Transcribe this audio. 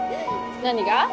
何が？